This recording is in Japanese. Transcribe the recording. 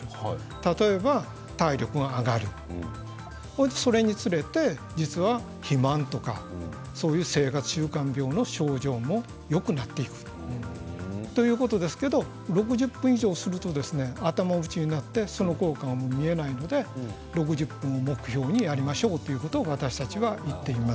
例えば、体力が上がるそれにつれて実は肥満とかそういう生活習慣病の症状もよくなっていくということなんですが６０分以上すると頭打ちになってその効果が見えないので６０分を目標にやりましょうと私たちは言っています。